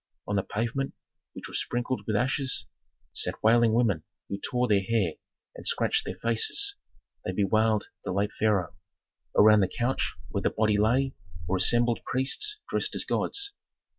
On the pavement, which was sprinkled with ashes, sat wailing women who tore their hair and scratched their faces; they bewailed the late pharaoh. Around the couch where the body lay were assembled priests dressed as gods.